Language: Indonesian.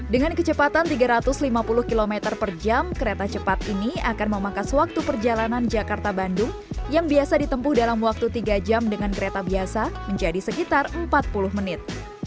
dengan kecepatan tiga ratus lima puluh km per jam kereta cepat ini akan memangkas waktu perjalanan jakarta bandung yang biasa ditempuh dalam waktu tiga jam dengan kereta biasa menjadi sekitar empat puluh menit